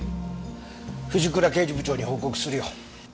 藤倉刑事部長に報告するよ。